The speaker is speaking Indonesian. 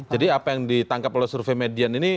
jadi apa yang ditangkap oleh survei median ini